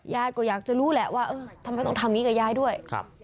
ยายก็อยากจะรู้แหละว่าเออทำไมต้องทำอย่างนี้กับยายด้วย